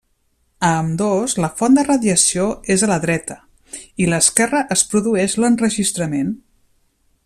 A ambdós la font de radiació és a la dreta, i l'esquerra es produeix l'enregistrament.